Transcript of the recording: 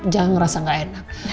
jangan ngerasa gak enak